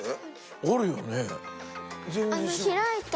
あるよね。